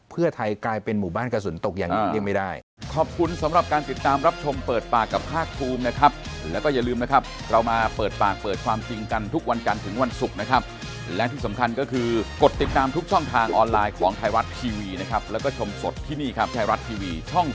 เพื่อไทยกลายเป็นหมู่บ้านกระสุนตกอย่างหลีกเลี่ยงไม่ได้